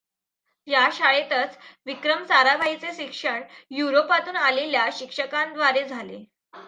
या शाळेतच विक्रम साराभाईचे शिक्षण युरोपातून आलेल्या शिक्षकांद्वारे झाले.